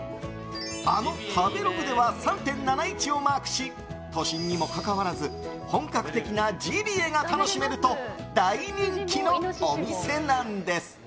あの食べログでは３．７１をマークし都心にもかかわらず本格的なジビエが楽しめると大人気のお店なんです。